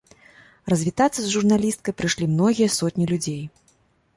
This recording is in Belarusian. Развітацца з журналісткай прыйшлі многія сотні людзей.